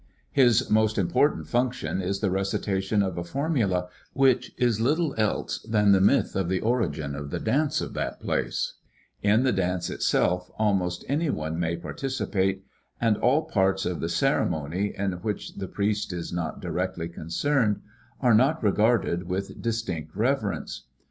His most important function is the recitation of a formula which is little else than the myth of the origin of the dance of that place. In the dance itself almost anyone may par VOL. 2.] Kroeber. Types of Indian Culture in California. 89 ticipate, and all parts of the ceremony in which the priest is not directly concerned are not regarded with distinct reverence.